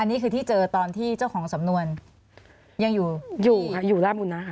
นี่คือที่เจอตอนที่เจ้าของสำนวนยังอยู่อยู่ค่ะอยู่ราชบุญนะคะ